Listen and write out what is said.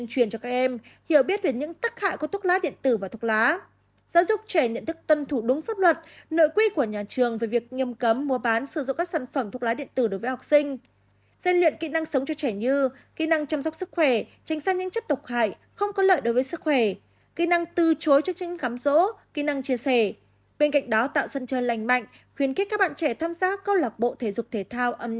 chia sẻ về những tắc hại của thuốc lá điện tử tiến sĩ bác sĩ nguyễn trung nguyễn trung cho biết